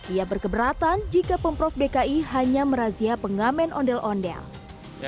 ia berkeberatan jika pemprov dki hanya merazia pengamen ondel ondel